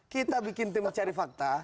kita bikin tim mencari fakta